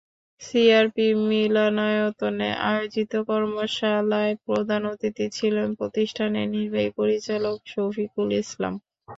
সিআরপির মিলনায়তনে আয়োজিত কর্মশালায় প্রধান অতিথি ছিলেন প্রতিষ্ঠানের নির্বাহী পরিচালক শফিকুল ইসলাম।